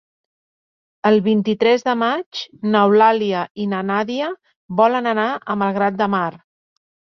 El vint-i-tres de maig n'Eulàlia i na Nàdia volen anar a Malgrat de Mar.